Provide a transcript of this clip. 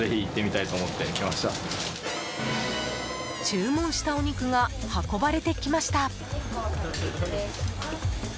注文したお肉が運ばれてきました。